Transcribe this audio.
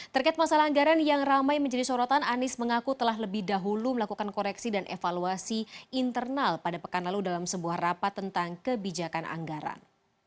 terkait masalah anggaran yang ramai menjadi sorotan anies mengaku telah lebih dahulu melakukan koreksi dan evaluasi internal pada pekan lalu dalam sebuah rapat tentang kebijakan anggaran